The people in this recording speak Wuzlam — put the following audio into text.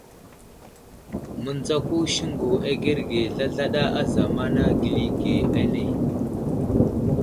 Miŋdzako siŋgu agerge zlazlaɗa a zamana geli ge ane.